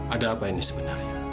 ada apa ini sebenarnya